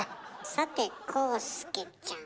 さて浩介ちゃん。